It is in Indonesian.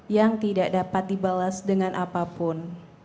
yang tidak dapat dibalas dengan apapun